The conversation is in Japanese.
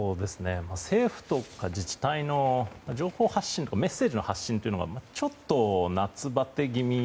政府とか自治体の情報発信メッセージの発信というのがちょっと夏バテ気味。